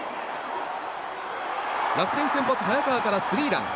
楽天先発、早川からスリーラン。